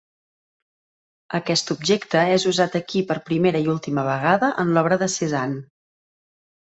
Aquest objecte és usat aquí per primera i última vegada en l'obra de Cézanne.